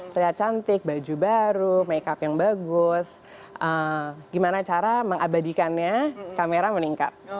terlihat cantik baju baru makeup yang bagus gimana cara mengabadikannya kamera meningkat